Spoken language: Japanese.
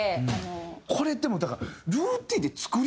これでもだから。